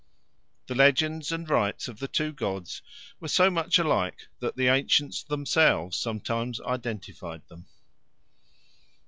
The legends and rites of the two gods were so much alike that the ancients themselves sometimes identified them.